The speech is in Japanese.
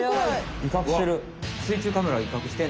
威嚇してる。